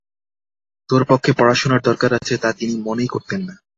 তোর পক্ষে পড়াশুনোর দরকার আছে তা তিনি মনেই করতেন না।